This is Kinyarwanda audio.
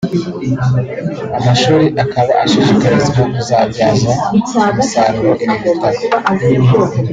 Amashuri akaba ashishikarizwa kuzabyaza umusaruro ibi bitabo